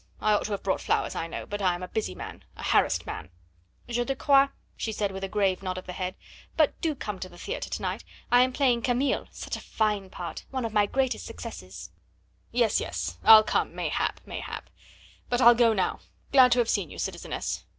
I ought to have brought flowers, I know; but I am a busy man a harassed man." "Je te crois," she said with a grave nod of the head; "but do come to the theatre to night. I am playing Camille such a fine part! one of my greatest successes." "Yes, yes, I'll come mayhap, mayhap but I'll go now glad to have seen you, citizeness.